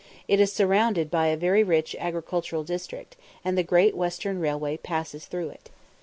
It is surrounded by a very rich agricultural district, and the Great Western Railway passes through it.